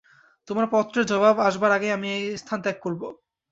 তোমার পত্রের জবাব আসবার আগেই আমি এস্থান ত্যাগ করব।